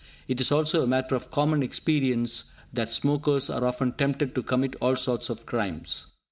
It is also a matter of common experience that smokers are often tempted to commit all sorts of crimes.